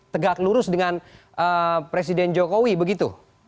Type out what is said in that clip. tegak lurus dengan presiden jokowi begitu